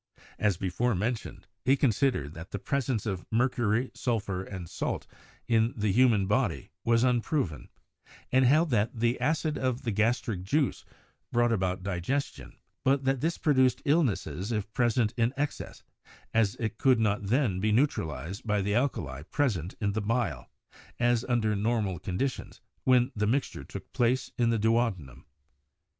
As before mentioned, he con sidered that the presence of mercury, sulphur and salt in the human body was unproven ; and held that the acid of the gastric juice brought about digestion, but that this pro duced illnesses if present in excess, as it could not then be neutralized by the alkali present in the bile, as under normal conditions, when the mixture took place in the duodenum.